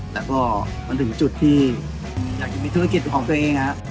แล้วก็มันถึงจุดที่อยากจะมีธุรกิจของตัวเอง